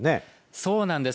そうなんです。